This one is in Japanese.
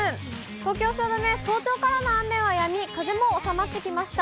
東京・汐留、早朝からの雨はやみ、風も収まってきました。